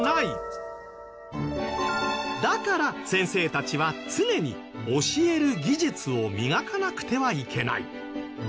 だから先生たちは常に教える技術を磨かなくてはいけない